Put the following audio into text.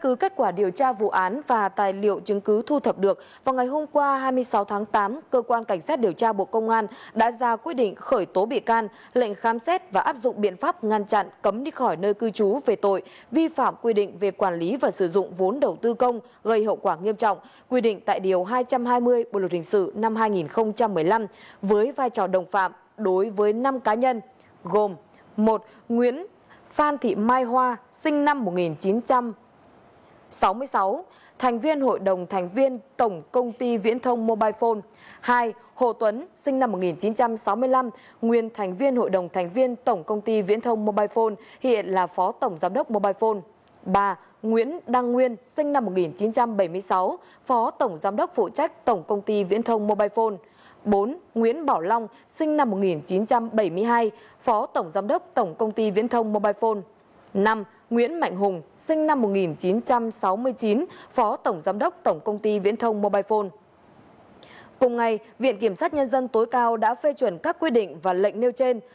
cơ quan cảnh sát điều tra bộ công an đang tiến hành điều tra vụ án vi phạm quy định về quản lý và sử dụng vốn đầu tư công gây hậu quả nghiêm trọng nhận hối lộ xảy ra tại tổng công tin và truyền thông mobile phone bộ thông tin và truyền thông